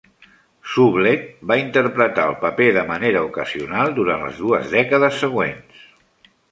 Sublett va interpretar el paper de manera ocasional durant les dues dècades següents.